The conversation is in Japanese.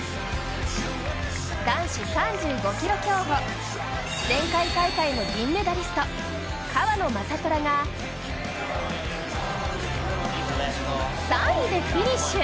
男子３５ｋｍ競歩、前回大会の銀メダリスト、川野将虎が３位でフィニッシュ。